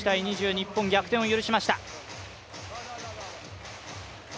日本、逆転を許しました。